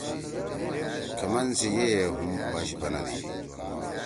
کھمن سی یئی ئے ہُم پَش بنَدی۔